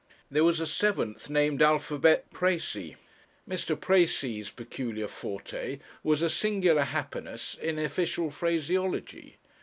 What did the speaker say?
There was a seventh, named Alphabet Precis. Mr. Precis' peculiar forte was a singular happiness in official phraseology.